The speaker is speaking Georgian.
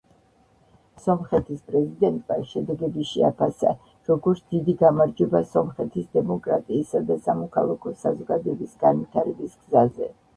სომხეთის პრეზიდენტმა შედეგები შეაფასა, როგორც „დიდი გამარჯვება სომხეთის დემოკრატიისა და სამოქალაქო საზოგადოების განვითარების გზაზე“.